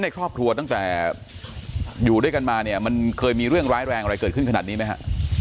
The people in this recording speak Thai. ในครอบครัวตั้งแต่อยู่ด้วยกันมาเนี่ยมันเคยมีเรื่องร้ายแรงอะไรเกิดขึ้นขนาดนี้ไหมฮะ